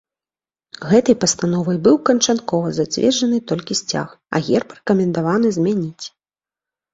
Гэтай пастановай быў канчаткова зацверджаны толькі сцяг, а герб рэкамендавана змяніць.